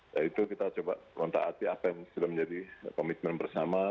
yaitu kita coba menata hati apa yang sudah menjadi komitmen bersama